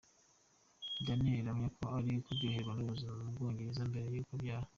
Daniella ahamya ko ari kuryoherwa n'ubuzima mu Bwongereza mbere y'uko abyara.